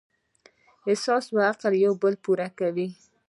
احساس او عقل یو بل پوره کوي.